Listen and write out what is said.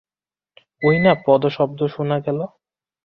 ওই না পদশব্দ শুনা গেল?